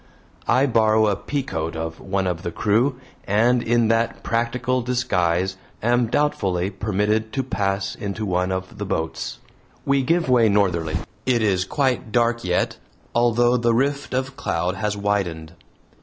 I borrow a peacoat of one of the crew, and in that practical disguise am doubtfully permitted to pass into one of the boats. We give way northerly. It is quite dark yet, although the rift of cloud has widened.